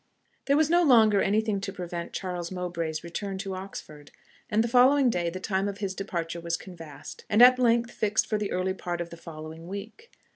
There was no longer any thing to prevent Charles Mowbray's return to Oxford, and the following day the time of his departure was canvassed, and at length fixed for the early part of the following week.